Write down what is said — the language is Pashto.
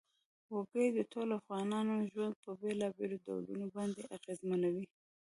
وګړي د ټولو افغانانو ژوند په بېلابېلو ډولونو باندې اغېزمنوي.